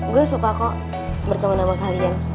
gue suka kok berteman sama kalian